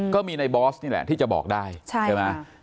ก็มีในบอสนี่แหละที่จะบอกได้ใช่ไหม